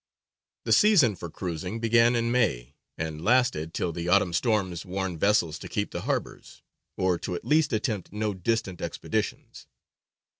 The season for cruising began in May, and lasted till the autumn storms warned vessels to keep the harbours, or at least to attempt no distant expeditions.